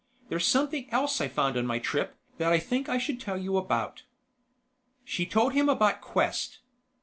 "There's something else I found on my trip, that I think I should tell you about." She told him about Quest.